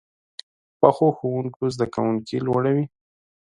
پخو ښوونکو زده کوونکي لوړوي